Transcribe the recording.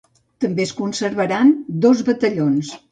També es conservaran dos batallons.